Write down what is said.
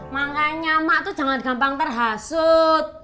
makanya emak tuh jangan gampang terhasut